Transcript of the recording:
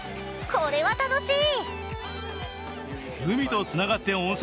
これは楽しい。